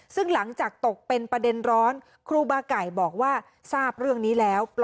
ซึ่งหลังจากตกเป็นประเด็นร้อนครูบาไก่บอกว่าทราบเรื่องนี้แล้ว